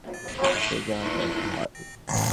ঠিক সে যাহা চায় তাহাই।